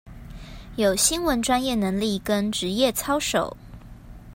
有新聞專業能力跟職業操守